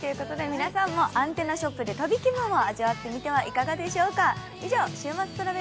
皆さんもアンテナショップで旅気分を味わってみては、いかがでしょうか。